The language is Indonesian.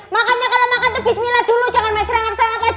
makannya kalau makan tuh bismillah dulu jangan ma suis ra dua d